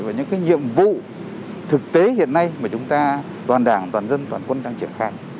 và những nhiệm vụ thực tế hiện nay mà chúng ta toàn đảng toàn dân toàn quân đang triển khai